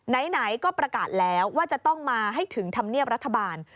ไหนก็ประกาศแล้วว่าจะต้องมาให้ถึงธรรมเนียบรัฐบาล